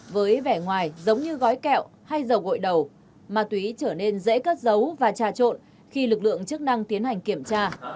với vẻ ngoài giống như gói kẹo hay dầu gội đầu ma túy trở nên dễ cất giấu và trà trộn khi lực lượng chức năng tiến hành kiểm tra